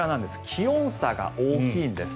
気温差が大きいんです。